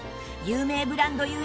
有名ブランド故